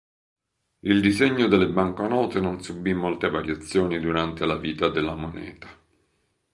Il disegno delle banconote non subì molte variazioni durante la vita della moneta.